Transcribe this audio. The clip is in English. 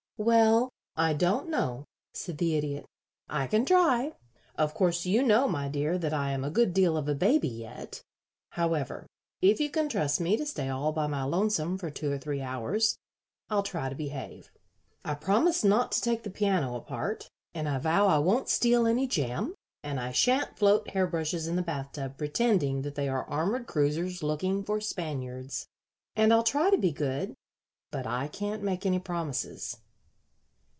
"Well, I don't know," said the Idiot. "I can try. Of course, you know, my dear, that I am a good deal of a baby yet. However, if you can trust me to stay all by my lonesome for two or three hours I'll try to behave. I promise not to take the piano apart, and I vow I won't steal any jam, and I sha'n't float hair brushes in the bath tub pretending that they are armored cruisers looking for Spaniards, and I'll try to be good, but I can't make any promises."